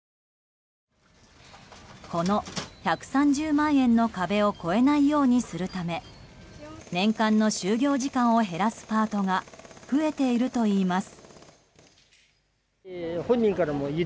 この１３０万円の壁を超えないようにするため年間の就業時間を減らすパートが増えているといいます。